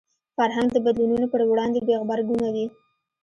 فرهنګ د بدلونونو پر وړاندې بې غبرګونه دی